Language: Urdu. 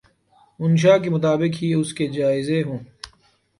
منشاء کے مطابق ہی اس کے جائزے ہوں۔